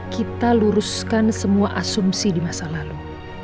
kita luruskan semua asumsi di masa lalu